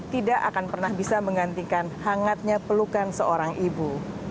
tidak akan pernah bisa menggantikan hangatnya pelukan seorang ibu